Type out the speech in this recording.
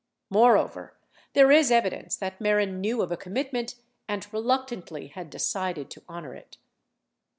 54 Moreover, there is evidence that Mehren knew of a com mitment and reluctantly had decided to honor it.